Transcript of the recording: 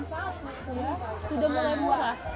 sudah mulai murah